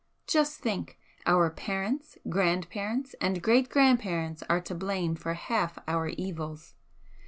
Just think! our parents, grandparents and great grandparents are to blame for half our evils.